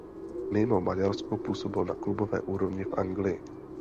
Mimo Maďarsko působil na klubové úrovni v Anglii.